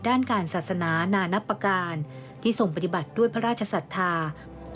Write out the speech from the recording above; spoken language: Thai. ด้านการศาสนานานปการศ์ที่ส่งปฏิบัติด้วยพระราชสัตว์ธาตุ